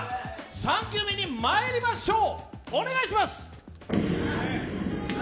３球目にまいりましょう。